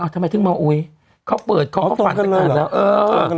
ทำไมถึงเมาอุยเขาตกขึ้นเลยหรอ